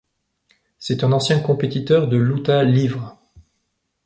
C'est un ancien compétiteur de Luta Livre.